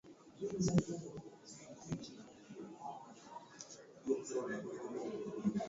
uchafuzi wa hewa pia huathiri sana aina mbalimbali za mifumo ya